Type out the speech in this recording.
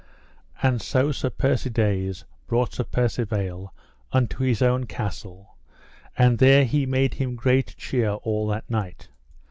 And so Sir Persides brought Sir Percivale unto his own castle, and there he made him great cheer all that night.